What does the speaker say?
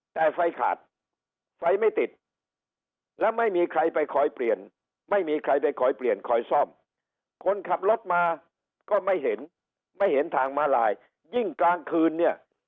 แต่ไฟขาดไฟไม่ติดแล้วไม่มีใครไปคอยเปลี่ยนไม่มีใครไปคอยเปลี่ยนคอยซ่อมคนขับรถมาก็ไม่เห็นไม่เห็นทางมาลายยิ่งกลางคืนเนี่ย